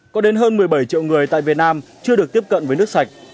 có đến hơn một mươi bảy triệu người tại việt nam chưa được tiếp cận với nước sạch